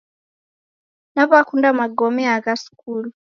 Nawakunda magome gha skulu.